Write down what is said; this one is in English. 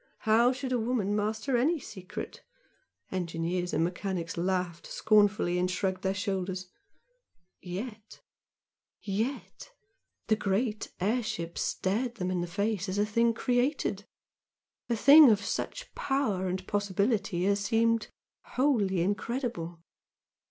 How should a woman master any secret! Engineers and mechanics laughed scornfully and shrugged their shoulders yet yet the great airship stared them in the face as a thing created, a thing of such power and possibility as seemed wholly incredible.